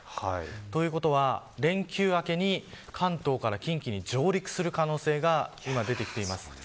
ということは連休明けに関東から近畿に上陸する可能性が今出てきています。